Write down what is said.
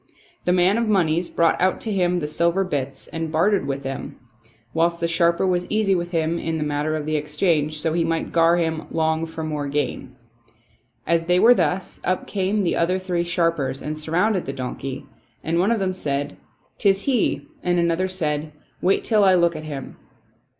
The man of moneys brought out to him the silver bits and bartered them with him, whilst the sharper was easy with him in the matter of the exchange, so he might gar him long for more gain. As they were thus, up came the other three sharpers and surrounded the donkey ; and one of them said, " 'Tis he," and another said, " Wait till I look at him."